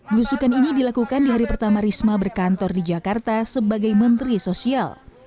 belusukan ini dilakukan di hari pertama risma berkantor di jakarta sebagai menteri sosial